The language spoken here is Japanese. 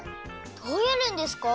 どうやるんですか？